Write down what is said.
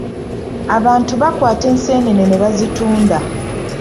Abantu bakwata enseenene ne bazitunda.